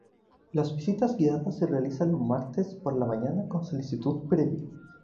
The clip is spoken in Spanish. Las visitas guiadas se realizan los martes por la mañana con solicitud previa.